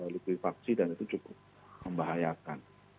likuifaksi dan itu cukup membahayakan